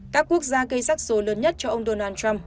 các quốc gia gây rắc rối lớn nhất cho ông donald trump